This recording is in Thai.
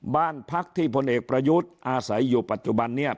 บ้านพักที่พลเอกประยุทธ์อาศัยอยู่ปัจจุบันนี้